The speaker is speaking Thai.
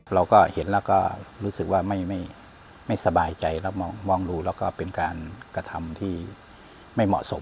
เราก็เห็นแล้วก็รู้สึกว่าไม่สบายใจแล้วมองดูแล้วก็เป็นการกระทำที่ไม่เหมาะสม